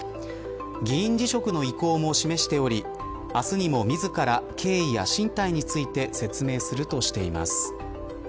議員辞職の意向も示しており明日にも自ら経緯や進退について説明するとしています。